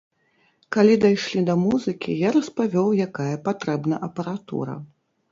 Калі дайшлі да музыкі, я распавёў, якая патрэбна апаратура.